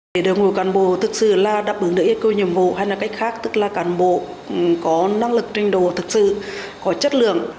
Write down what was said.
để đội ngũ cán bộ thực sự là đáp ứng được yêu cầu nhiệm vụ hay là cách khác tức là cán bộ có năng lực trình độ thực sự có chất lượng